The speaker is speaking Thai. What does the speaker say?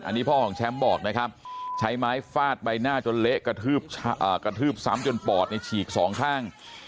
อันนี้พ่อของแชมป์บอกนะครับใช้ไม้ฟาดใบหน้าจนเละกระทืบซ้ำจนปอดในฉีกสองข้าง